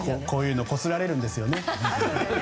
こういうのこすられるんですよね。